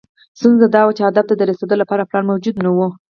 ستونزه دا وه چې هدف ته د رسېدو لپاره پلان موجود نه و.